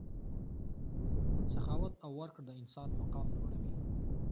سخاوت او ورکړه د انسان مقام لوړوي.